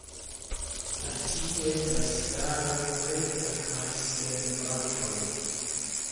La tigo estas stara, rekta kaj sen branĉoj.